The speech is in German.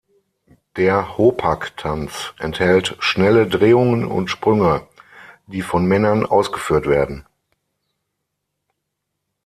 Der Hopak-Tanz enthält schnelle Drehungen und Sprünge, die von Männern ausgeführt werden.